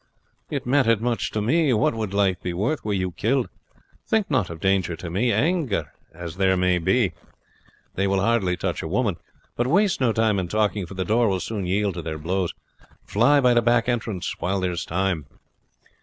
"But it mattered much to me. What would life be worth were you killed? Think not of danger to me. Angry as they may be, they will hardly touch a woman. But waste no time in talking, for the door will soon yield to their blows. Fly by the back entrance, while there is time."